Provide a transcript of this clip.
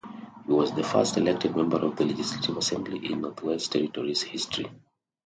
He was the first elected Member of the Legislative Assembly in Northwest Territories' history.